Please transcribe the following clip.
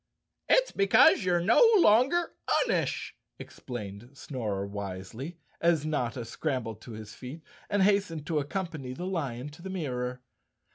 "It's because you're no longer unish," explained Snorer wisely, as Notta scrambled to his feet and hastened to accompany the lion to the mirror.